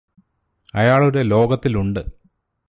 അയാളുടെ ലോകത്തിലുണ്ട്